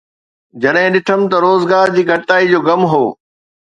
جڏهن ڏٺم ته روزگار جي گھٽتائي جو غم هو